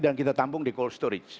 dan kita tambung di cold storage